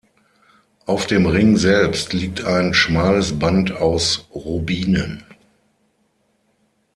Auf dem Ring selbst liegt ein schmales Band aus Rubinen.